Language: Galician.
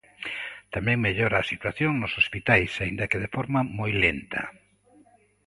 Tamén mellora a situación nos hospitais, aínda que de forma moi lenta.